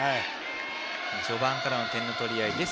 序盤からの点の取り合い。